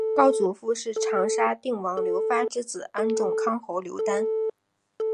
高祖父是长沙定王刘发之子安众康侯刘丹。